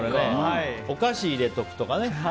お菓子を入れておくとかね。